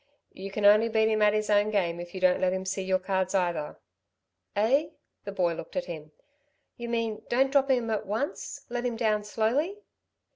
"You can only beat him at his own game if you don't let him see your cards either." "Eh?" the boy looked at him. "You mean don't drop him at once ... let him down slowly."